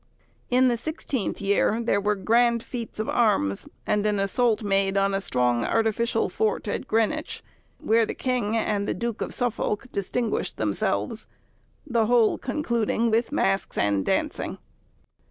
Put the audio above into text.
In the sixteenth year there were grand feats of arms, and an assault made on a strong artificial fort at Greenwich, where the king and the Duke of Suffolk distinguished themselves; the whole concluding with masks and dancing.